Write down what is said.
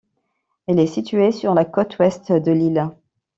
Elle est située sur la côte ouest de l'île.